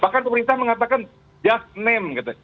bahkan pemerintah mengatakan just name gitu